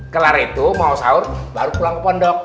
kelar itu mau sahur baru pulang ke pondok